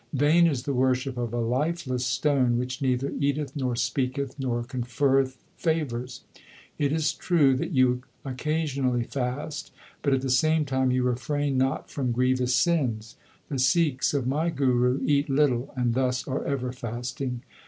Vain is the worship of a lifeless stone which neither eateth, nor speaketh, nor con ferreth favours. It is true that you occasionally fast, but at the same time you refrain not from grievous sins. The Sikhs of my Guru eat little and thus are ever fasting.